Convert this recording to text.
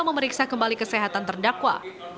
memeriksa kembali kesehatan terdakwa